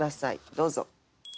どうぞ。